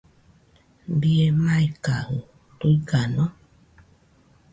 Bie maikajɨ¿tuigano?